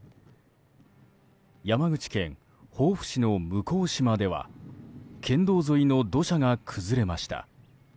山口県防府市の向島では県道沿いの土砂が崩れました。